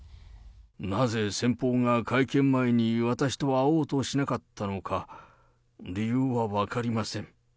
なぜ先方が会見前に私と会おうとしなかったのか、理由は分かりません。